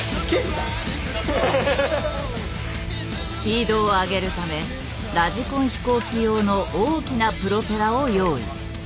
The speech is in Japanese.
スピードを上げるためラジコン飛行機用の大きなプロペラを用意。